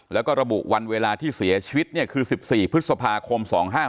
แล้วก็ระบุวันเวลาที่เสียชีวิตคือ๑๔พฤษภาคม๒๕๖